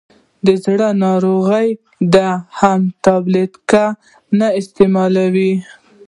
دزړه ناروغان دي هم ټابلیټ کا نه استعمالوي.